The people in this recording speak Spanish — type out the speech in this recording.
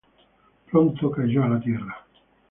Pronto cayó a la Tierra.